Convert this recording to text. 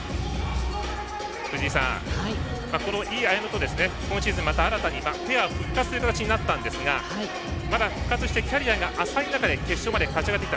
この井絢乃と今シーズンまた新たにペア復活という形になったんですがまだ、復活してキャリアが浅い中で決勝まで勝ち上がってきた。